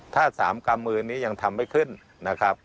ถ้า๓กำมือนี้ยังทำไม่ขึ้นนะครับ